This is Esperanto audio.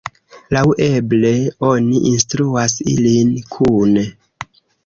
Laŭeble, oni instruas ilin kune.